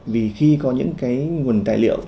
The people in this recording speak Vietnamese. vì khi có những cái nguồn tài liệu